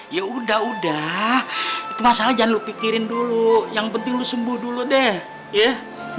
ya udah udah itu masalah jangan lu pikirin dulu yang penting lu sembuh dulu deh ya